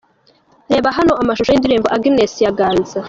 Reba hano amashusho y’indirimbo “Agnes” ya Ganza.